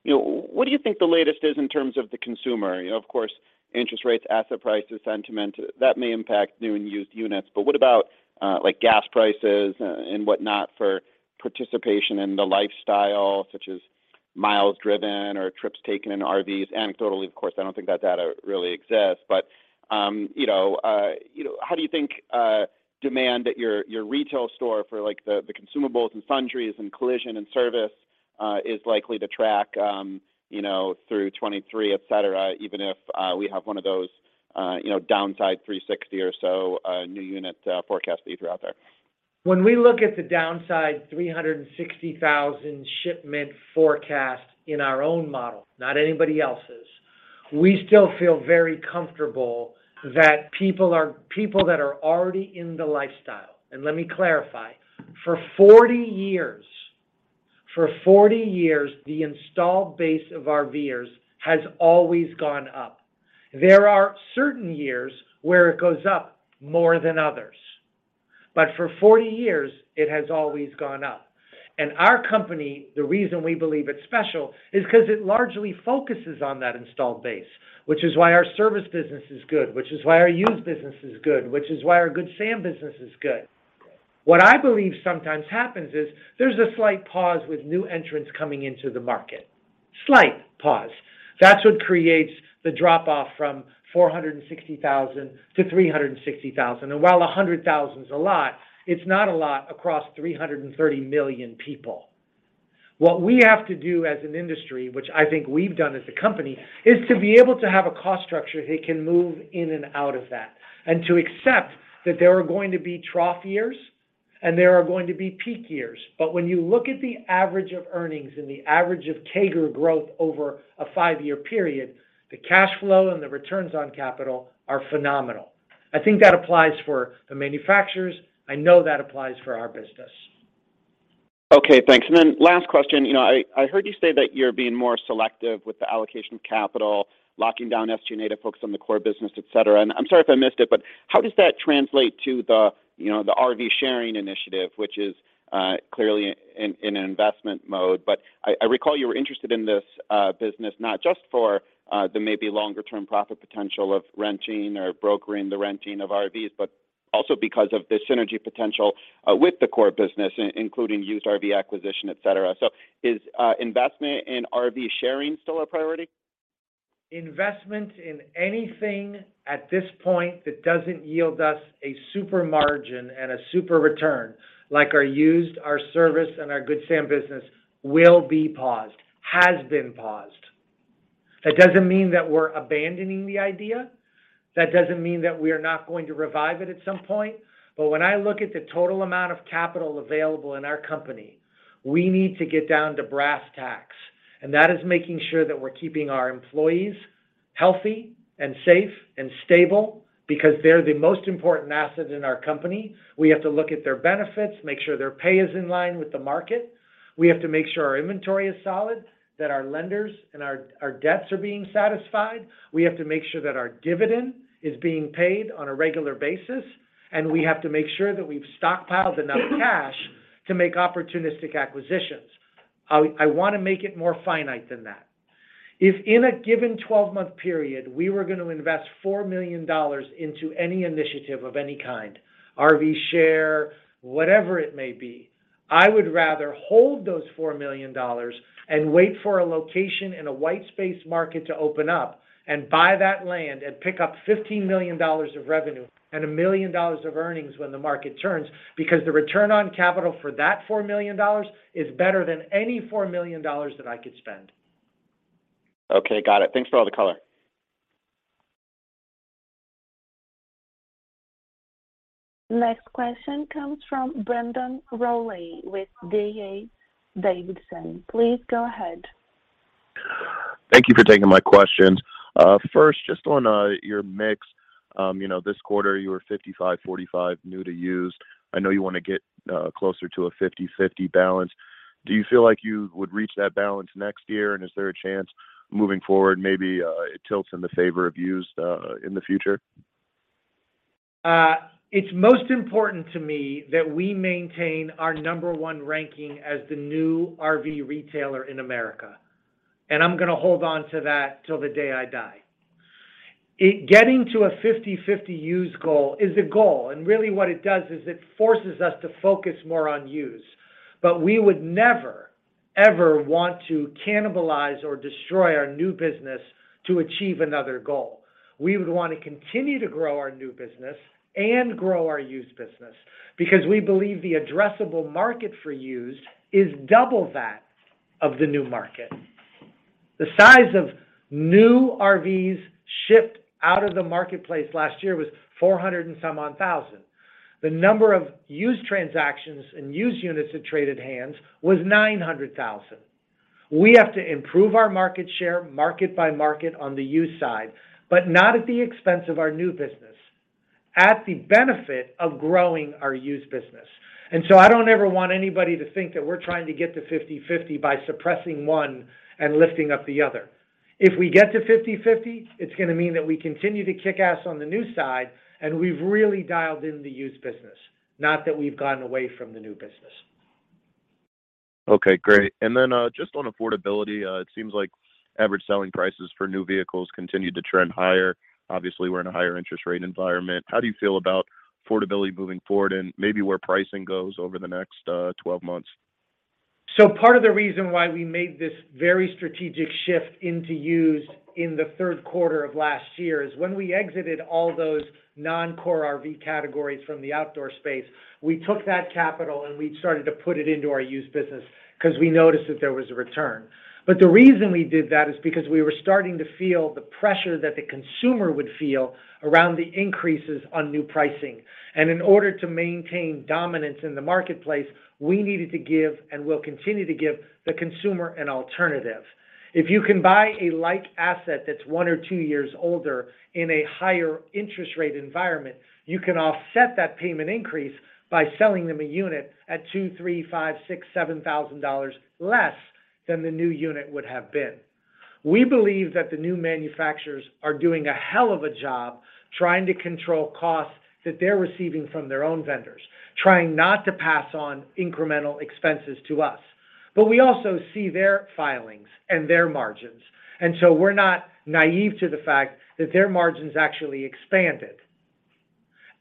You know, what do you think the latest is in terms of the consumer? You know, of course, interest rates, asset prices, sentiment, that may impact new and used units, but what about, like gas prices and whatnot for participation in the lifestyle such as miles driven or trips taken in RVs? Anecdotally, of course, I don't think that data really exists, but you know, how do you think demand at your retail store for like the consumables and sundries and collision and service is likely to track, you know, through 2023, et cetera, even if we have one of those, you know, downside 360 or so new unit forecasts that you threw out there? When we look at the downside 360,000 shipment forecast in our own model, not anybody else's, we still feel very comfortable that people that are already in the lifestyle. Let me clarify. For 40 years, the installed base of RVers has always gone up. There are certain years where it goes up more than others, but for 40 years it has always gone up. Our company, the reason we believe it's special is 'cause it largely focuses on that installed base, which is why our service business is good, which is why our used business is good, which is why our Good Sam business is good. What I believe sometimes happens is there's a slight pause with new entrants coming into the market. Slight pause. That's what creates the drop off from 460,000 to 360,000. While a hundred thousand is a lot, it's not a lot across 330 million people. What we have to do as an industry, which I think we've done as a company, is to be able to have a cost structure that can move in and out of that and to accept that there are going to be trough years and there are going to be peak years. When you look at the average of earnings and the average of CAGR growth over a five-year period, the cash flow and the returns on capital are phenomenal. I think that applies for the manufacturers. I know that applies for our business. Okay, thanks. Then last question, you know, I heard you say that you're being more selective with the allocation of capital, locking down SG&A to focus on the core business, et cetera. I'm sorry if I missed it, but how does that translate to the, you know, the RV sharing initiative, which is clearly in investment mode. I recall you were interested in this business not just for the maybe longer term profit potential of renting or brokering the renting of RVs, but also because of the synergy potential with the core business including used RV acquisition, et cetera. Is investment in RV sharing still a priority? Investment in anything at this point that doesn't yield us a super margin and a super return, like our used, our service, and our Good Sam business will be paused, has been paused. That doesn't mean that we're abandoning the idea. That doesn't mean that we are not going to revive it at some point. When I look at the total amount of capital available in our company, we need to get down to brass tacks, and that is making sure that we're keeping our employees healthy and safe and stable because they're the most important asset in our company. We have to look at their benefits, make sure their pay is in line with the market. We have to make sure our inventory is solid, that our lenders and our debts are being satisfied. We have to make sure that our dividend is being paid on a regular basis, and we have to make sure that we've stockpiled enough cash to make opportunistic acquisitions. I wanna make it more finite than that. If in a given 12-month period, we were gonna invest $4 million into any initiative of any kind, RV share, whatever it may be, I would rather hold those $4 million and wait for a location in a white space market to open up and buy that land and pick up $15 million of revenue and $1 million of earnings when the market turns, because the return on capital for that $4 million is better than any $4 million that I could spend. Okay, got it. Thanks for all the color. Next question comes from Brandon Rolle with D.A. Davidson. Please go ahead. Thank you for taking my questions. First, just on your mix. You know, this quarter you were 55-45 new to used. I know you wanna get closer to a 50-50 balance. Do you feel like you would reach that balance next year? Is there a chance moving forward maybe it tilts in the favor of used in the future? It's most important to me that we maintain our number one ranking as the new RV retailer in America, and I'm gonna hold on to that till the day I die. It getting to a 50/50 used goal is a goal, and really what it does is it forces us to focus more on used. We would never ever want to cannibalize or destroy our new business to achieve another goal. We would want to continue to grow our new business and grow our used business because we believe the addressable market for used is double that of the new market. The size of new RVs shipped out of the marketplace last year was 400 and some odd thousand. The number of used transactions and used units that traded hands was 900,000. We have to improve our market share by market on the used side, but not at the expense of our new business, at the benefit of growing our used business. I don't ever want anybody to think that we're trying to get to 50/50 by suppressing one and lifting up the other. If we get to 50/50, it's gonna mean that we continue to kick ass on the new side, and we've really dialed in the used business, not that we've gotten away from the new business. Okay. Great. Just on affordability, it seems like average selling prices for new vehicles continued to trend higher. Obviously, we're in a higher interest rate environment. How do you feel about affordability moving forward and maybe where pricing goes over the next 12 months? Part of the reason why we made this very strategic shift into used in the third quarter of last year is when we exited all those non-core RV categories from the outdoor space, we took that capital, and we started to put it into our used business 'cause we noticed that there was a return. The reason we did that is because we were starting to feel the pressure that the consumer would feel around the increases on new pricing. In order to maintain dominance in the marketplace, we needed to give, and will continue to give, the consumer an alternative. If you can buy a like asset that's one or two years older in a higher interest rate environment, you can offset that payment increase by selling them a unit at $2,000, $3,000, $5,000, $6,000, $7,000 less than the new unit would have been. We believe that the new manufacturers are doing a hell of a job trying to control costs that they're receiving from their own vendors, trying not to pass on incremental expenses to us. We also see their filings and their margins, and so we're not naive to the fact that their margins actually expanded.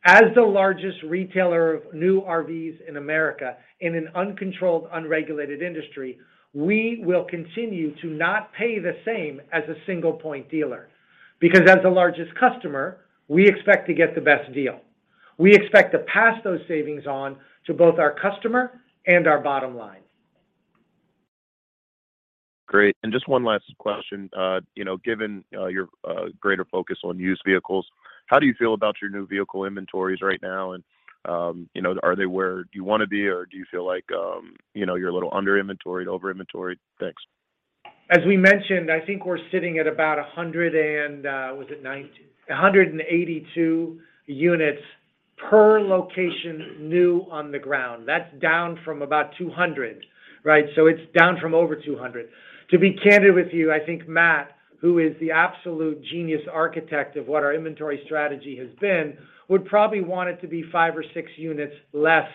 As the largest retailer of new RVs in America in an uncontrolled, unregulated industry, we will continue to not pay the same as a single point dealer. Because as the largest customer, we expect to get the best deal. We expect to pass those savings on to both our customer and our bottom line. Great. Just one last question. You know, given your greater focus on used vehicles, how do you feel about your new vehicle inventories right now? You know, are they where you wanna be, or do you feel like you know, you're a little under inventoried, over inventoried? Thanks. As we mentioned, I think we're sitting at about 182 units per location new on the ground. That's down from about 200, right? It's down from over 200. To be candid with you, I think Matthew, who is the absolute genius architect of what our inventory strategy has been, would probably want it to be 5 or 6 units less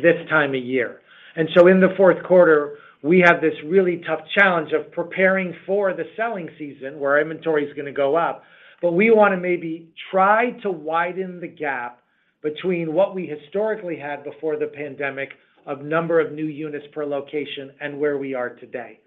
this time of year. In the fourth quarter, we have this really tough challenge of preparing for the selling season, where inventory is gonna go up. We wanna maybe try to widen the gap between what we historically had before the pandemic of number of new units per location and where we are today.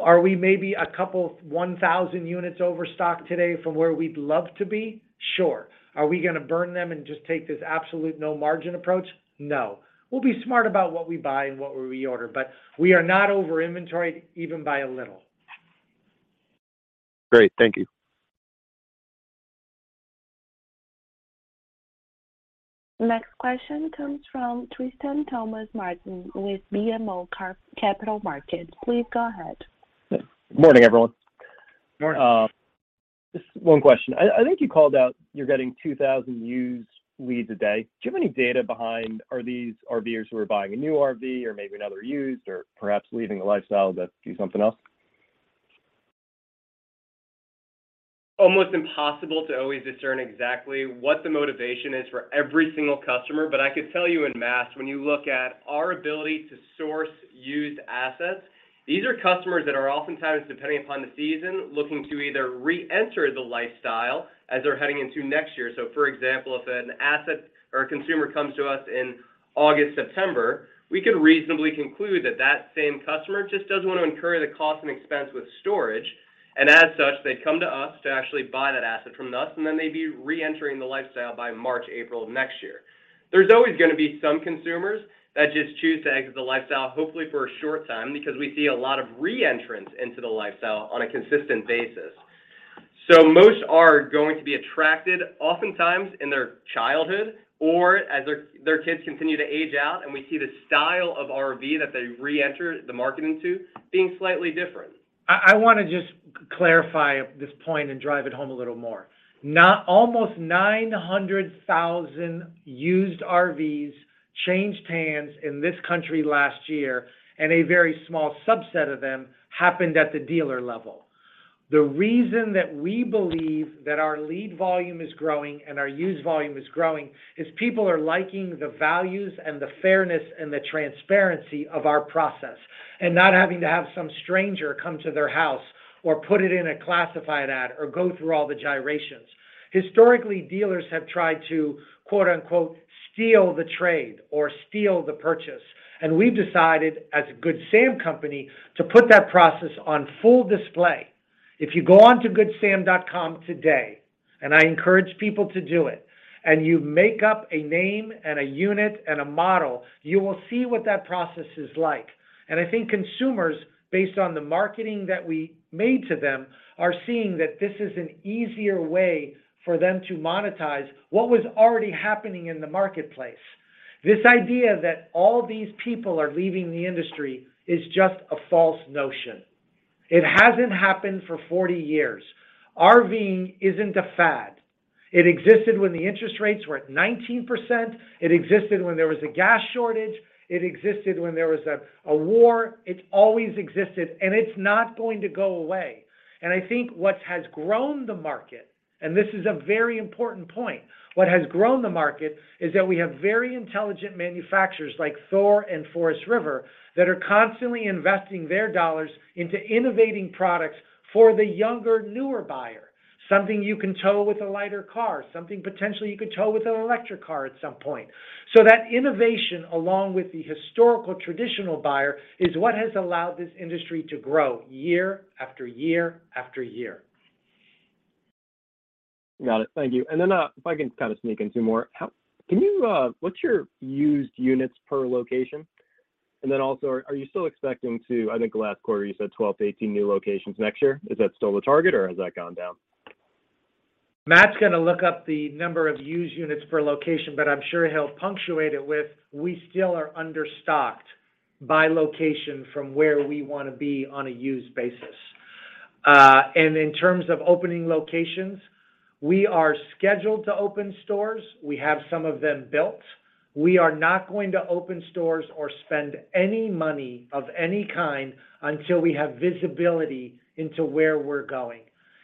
Are we maybe a couple 1,000 units overstocked today from where we'd love to be? Sure. Are we gonna burn them and just take this absolute no margin approach? No. We'll be smart about what we buy and what we reorder, but we are not over-inventoried even by a little. Great. Thank you. Next question comes from Tristan Thomas-Martin with BMO Capital Markets. Please go ahead. Morning, everyone. Morning. Just one question. I think you called out you're getting 2,000 used leads a day. Do you have any data on whether these RVers are buying a new RV or maybe another used or perhaps leaving the lifestyle to do something else? Almost impossible to always discern exactly what the motivation is for every single customer. I could tell you en masse, when you look at our ability to source used assets, these are customers that are oftentimes, depending upon the season, looking to either reenter the lifestyle as they're heading into next year. For example, if an asset or a consumer comes to us in August, September, we could reasonably conclude that that same customer just doesn't want to incur the cost and expense with storage, and as such, they come to us to actually buy that asset from us, and then they'd be reentering the lifestyle by March, April of next year. There's always gonna be some consumers that just choose to exit the lifestyle, hopefully for a short time, because we see a lot of reentrance into the lifestyle on a consistent basis. Most are going to be attracted oftentimes in their childhood or as their kids continue to age out, and we see the style of RV that they reenter the market into being slightly different. I wanna just clarify this point and drive it home a little more. Almost 900,000 used RVs changed hands in this country last year, and a very small subset of them happened at the dealer level. The reason that we believe that our lead volume is growing and our used volume is growing is people are liking the values and the fairness and the transparency of our process and not having to have some stranger come to their house or put it in a classified ad or go through all the gyrations. Historically, dealers have tried to quote-unquote, "Steal the trade or steal the purchase." We've decided as a Good Sam company to put that process on full display. If you go onto GoodSam.com today, and I encourage people to do it, and you make up a name, and a unit, and a model, you will see what that process is like. I think consumers, based on the marketing that we made to them, are seeing that this is an easier way for them to monetize what was already happening in the marketplace. This idea that all these people are leaving the industry is just a false notion. It hasn't happened for 40 years. RVing isn't a fad. It existed when the interest rates were at 19%, it existed when there was a gas shortage, it existed when there was a war. It's always existed, and it's not going to go away. I think what has grown the market, and this is a very important point, what has grown the market is that we have very intelligent manufacturers like Thor and Forest River that are constantly investing their dollars into innovating products for the younger, newer buyer. Something you can tow with a lighter car, something potentially you could tow with an electric car at some point. That innovation, along with the historical traditional buyer, is what has allowed this industry to grow year after year after year. Got it. Thank you. Then, if I can kind of sneak in two more. Can you, what's your used units per location? Then also, are you still expecting to, I think last quarter you said 12-18 new locations next year. Is that still the target or has that gone down? Matt's gonna look up the number of used units per location, but I'm sure he'll punctuate it with, we still are understocked by location from where we wanna be on a used basis. In terms of opening locations, we are scheduled to open stores. We have some of them built. We are not going to open stores or spend any money of any kind until we have visibility into where we're going.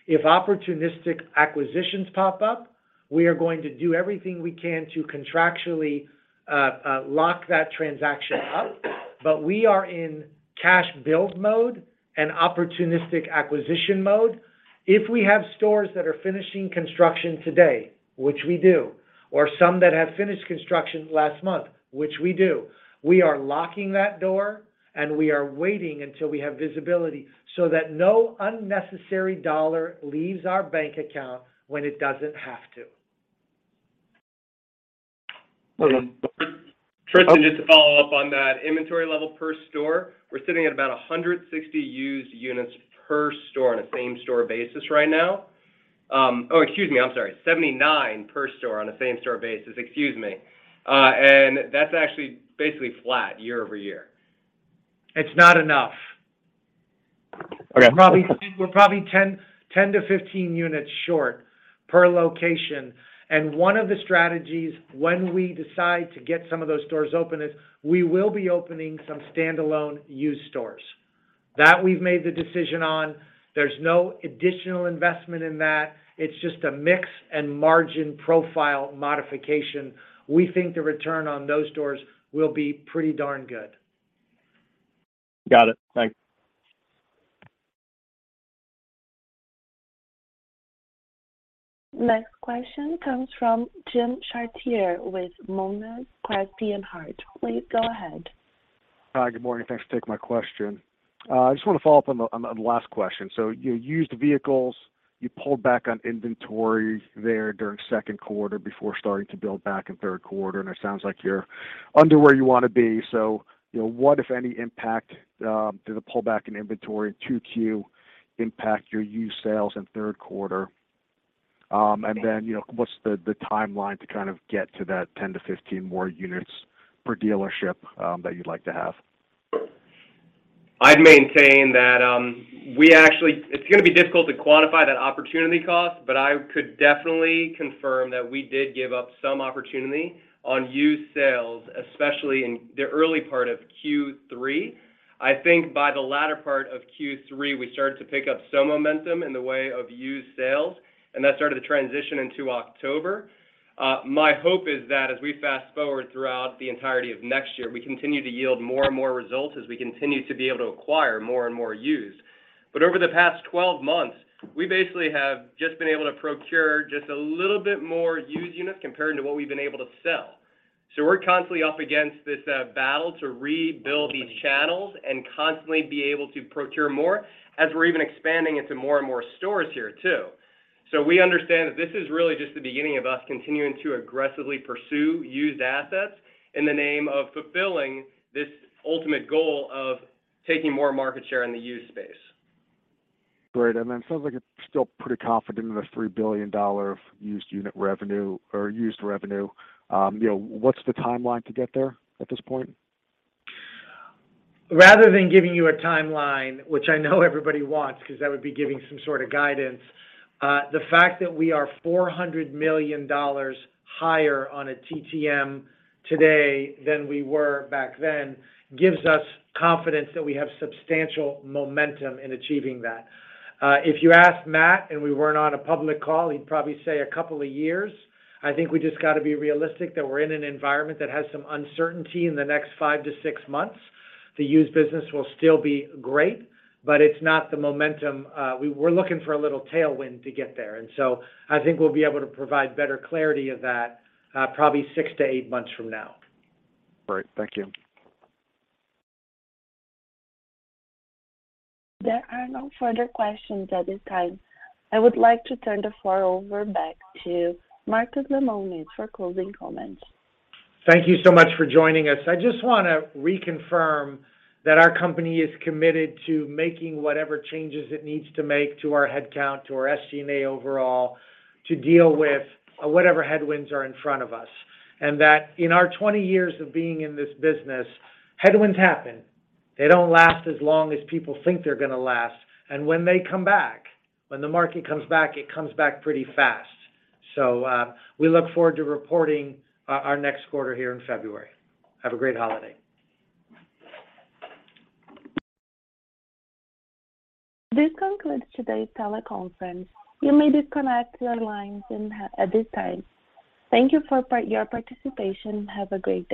If opportunistic acquisitions pop up, we are going to do everything we can to contractually lock that transaction up. We are in cash build mode and opportunistic acquisition mode. If we have stores that are finishing construction today, which we do, or some that have finished construction last month, which we do, we are locking that door and we are waiting until we have visibility so that no unnecessary dollar leaves our bank account when it doesn't have to. Hold on. Tristan, just to follow up on that inventory level per store. We're sitting at about 79 used units per store on a same-store basis right now. That's actually basically flat year-over-year. It's not enough. Okay. We're probably 10-15 units short per location. One of the strategies when we decide to get some of those stores open is we will be opening some standalone used stores. That we've made the decision on. There's no additional investment in that. It's just a mix and margin profile modification. We think the return on those stores will be pretty darn good. Got it. Thanks. Next question comes from Jim Chartier with Monness, Crespi, Hardt & Co. Please go ahead. Hi, Good morning. Thanks for taking my question. I just want to follow up on the last question. You know, used vehicles, you pulled back on inventory there during second quarter before starting to build back in third quarter, and it sounds like you're under where you want to be. You know, what, if any, impact did the pullback in inventory in 2Q impact your used sales in third quarter? And then, you know, what's the timeline to kind of get to that 10-15 more units per dealership that you'd like to have? I'd maintain that It's gonna be difficult to quantify that opportunity cost, but I could definitely confirm that we did give up some opportunity on used sales, especially in the early part of Q3. I think by the latter part of Q3, we started to pick up some momentum in the way of used sales, and that started to transition into October. My hope is that as we fast-forward throughout the entirety of next year, we continue to yield more and more results as we continue to be able to acquire more and more used. But over the past 12 months, we basically have just been able to procure just a little bit more used units compared to what we've been able to sell. We're constantly up against this battle to rebuild these channels and constantly be able to procure more as we're even expanding into more and more stores here too. We understand that this is really just the beginning of us continuing to aggressively pursue used assets in the name of fulfilling this ultimate goal of taking more market share in the used space. Great. It sounds like it's still pretty confident in the $3 billion used unit revenue or used revenue. You know, what's the timeline to get there at this point? Rather than giving you a timeline, which I know everybody wants, because that would be giving some sort of guidance, the fact that we are $400 million higher on a TTM today than we were back then gives us confidence that we have substantial momentum in achieving that. If you asked Matt and we weren't on a public call, he'd probably say a couple of years. I think we just got to be realistic that we're in an environment that has some uncertainty in the next five to six months. The used business will still be great, but it's not the momentum. We're looking for a little tailwind to get there. I think we'll be able to provide better clarity of that, probably six to eight months from now. Great. Thank you. There are no further questions at this time. I would like to turn the floor over back to Marcus Lemonis for closing comments. Thank you so much for joining us. I just want to reconfirm that our company is committed to making whatever changes it needs to make to our headcount, to our SG&A overall, to deal with whatever headwinds are in front of us. That in our 20 years of being in this business, headwinds happen. They don't last as long as people think they're gonna last. When they come back, when the market comes back, it comes back pretty fast. We look forward to reporting our next quarter here in February. Have a great holiday. This concludes today's teleconference. You may disconnect your lines at this time. Thank you for your participation. Have a great day.